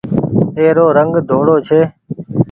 اي رو رنگ ڌوڙو ڇي۔